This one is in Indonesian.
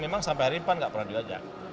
memang sampai hari ini pan nggak pernah diajak